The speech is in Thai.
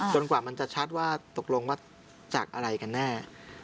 กว่ามันจะชัดว่าตกลงว่าจากอะไรกันแน่